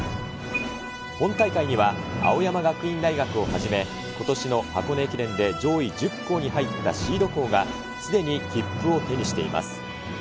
本大会には青山学院大学をはじめ、ことしの箱根駅伝で上位１０校に入ったシード校がすでに切符を手にしています。